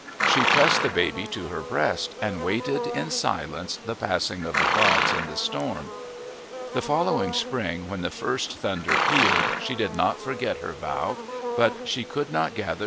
She pressed the baby to her breast and waited in silence the passing of the gods in the storm. The following spring when the first thunder pealed, she did not forget her vow, but she could not gather strength to fulfil it.